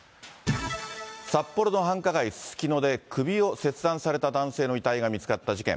札幌の繁華街、すすきので首を切断された男性の遺体が見つかった事件。